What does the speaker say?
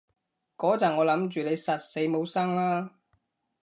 嗰陣我諗住你實死冇生喇